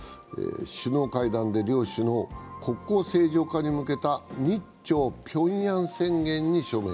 首脳会談で両首脳、国交正常化に向けた日朝平壌宣言に署名。